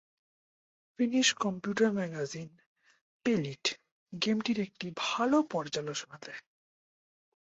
Finish computer magazine "Pelit" গেমটির একটি ভাল পর্যালোচনা দেয়।